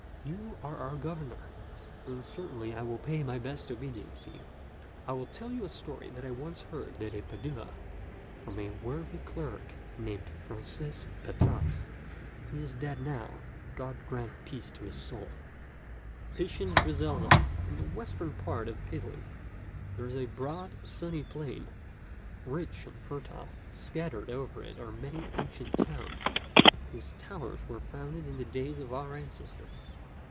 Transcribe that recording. You are our governor, and cer tainly I would pay my best obedience to you. I will tell you a story that I once heard at Padua from a worthy clerk named Francis Petrarch. He is dead now. God grant peace to his soul." PATIENT GRISELDA IN the western part of Italy there is a broad, sunny plain, rich and fertile, and scattered over it are many ancient towns whose towers were founded in the days of our ancestors.